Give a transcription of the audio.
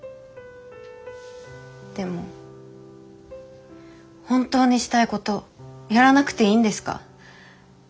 でも本当にしたいことやらなくていいんですか？